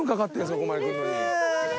ここまで来るのに。